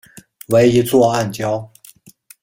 为一座暗礁。